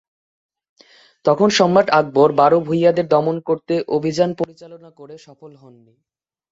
তখন সম্রাট আকবর বারো ভূঁইয়াদের দমন করতে অভিযান পরিচালনা করে সফল হননি।